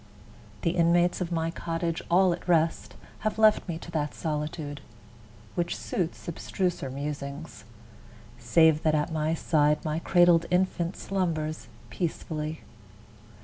The inmates of my cottage, all at rest, Have left me to that solitude, which suits Abstruser musings: save that at my side My cradled infant slumbers peacefully.